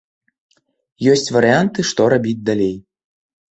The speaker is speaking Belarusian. Ёсць варыянты, што рабіць далей.